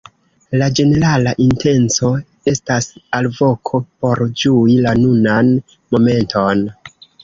La ĝenerala intenco estas alvoko por ĝui la nunan momenton.